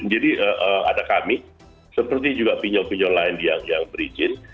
jadi ada kami seperti juga pinjol pinjol lain yang berizin